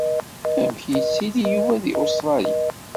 Amek i yettili Yuba di Ustralya?